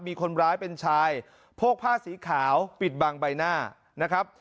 มีคนร้ายเป็นชายโพกผ้าสีขาวปิดบังใบหน้านะครับ